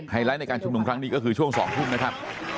ไลท์ในการชุมนุมครั้งนี้ก็คือช่วง๒ทุ่มนะครับ